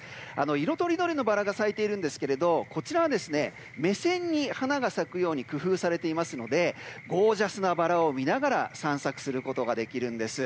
色とりどりのバラが咲いているんですがこちらは、目線に花が咲くように工夫されていますのでゴージャスなバラを見ながら散策することができるんです。